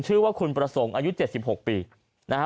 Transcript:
ชื่อว่าคุณประสงค์อายุ๗๖ปีนะฮะ